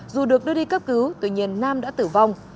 dù được đưa đi cấp cứu tuy nhiên nam đã tử vong